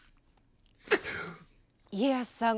家康さん